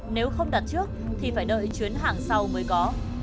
nếu không đặt trước thì phải đợi chuyến hàng sau mới có